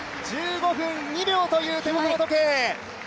１５分２秒という手元の時計。